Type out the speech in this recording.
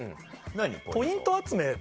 ポイント集め。